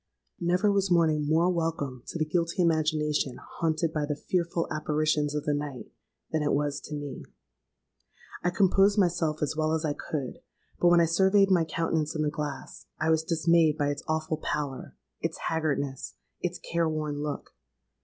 "Never was morning more welcome to the guilty imagination haunted by the fearful apparitions of the night, than it was to me. I composed myself as well as I could; but when I surveyed my countenance in the glass, I was dismayed by its awful pallor—its haggardness—its care worn look.